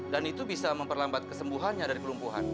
dan itu bisa memperlambat kesembuhannya dari kelumpuhan